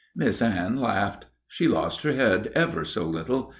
Miss Anne laughed. She lost her head ever so little.